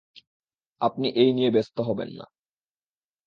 আপনি এই নিয়ে ব্যস্ত হবেন না।